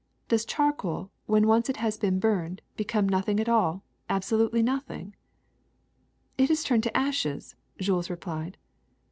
Does charcoal, when once it has been burned, become nothing at all, abso lutely nothing ?'' *^It has turned to ashes,'' Jules replied.